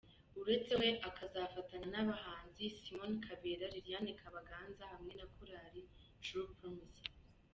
Uretse we akazafatanya n’abahanzi Simon Kabera, Liliane Kabaganza hamwe na Korali True Promises.